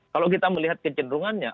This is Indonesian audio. kalau kita melihat kecenderungannya